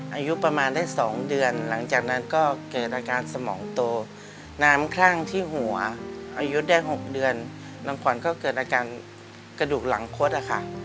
อายุประมาณได้๒เดือนหลังจากนั้นก็เกิดอาการสมองโตน้ำคลั่งที่หัวอายุได้๖เดือนน้องขวัญก็เกิดอาการกระดูกหลังคดอะค่ะ